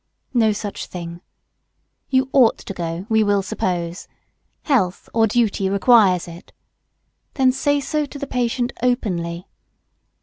No such thing. You ought to go, we will suppose. Health or duty requires it. Then say so to the patient openly.